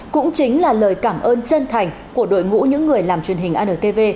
cũng chính là lời cảm ơn chân thành của đội ngũ những người làm truyền hình antv